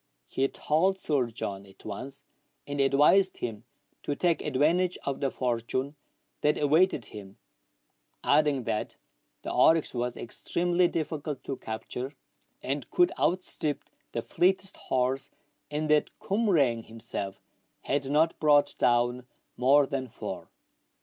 He told Sir John at once, and advised him to take advantage of the fortune that awaited him, adding that the oryx was extremely difficult to capture, and could outstrip the fleetest horse, and that Cumraing himself had not brought down more than four.